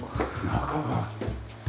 中が。